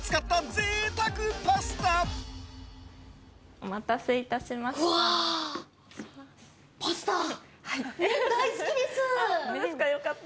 お待たせいたしました。